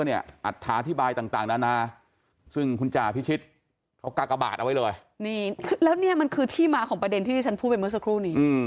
แล้วเนี่ยแล้วเนี่ยมันคือที่มาของประเด็นที่ที่ฉันพูดไปเมื่อสักครู่นี้